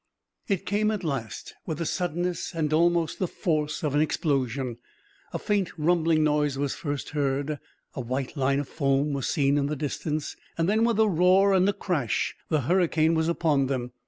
It came at last, with the suddenness and almost the force of an explosion. A faint rumbling noise was first heard, a white line of foam was seen in the distance; and then, with a roar and a crash, the hurricane was upon them.